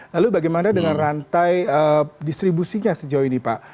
lalu bagaimana dengan rantai distribusinya sejauh ini pak